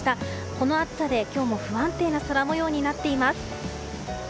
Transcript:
この暑さで今日も不安定な空模様になっています。